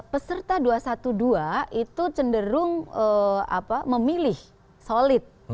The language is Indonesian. peserta dua ratus dua belas itu cenderung memilih solid